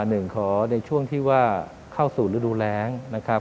หนึ่งขอในช่วงที่ว่าเข้าสู่ฤดูแรงนะครับ